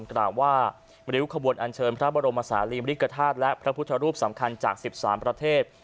กล่าวว่าริ้วขบวนอันเชิญพระบรมศาลีมริกฐาตุและพระพุทธรูปสำคัญจาก๑๓ประเทศ